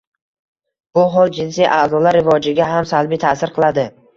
Bu hol jinsiy a’zolar rivojiga ham salbiy ta’sir qiladi.